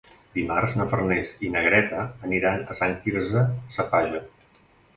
Dimarts na Farners i na Greta aniran a Sant Quirze Safaja.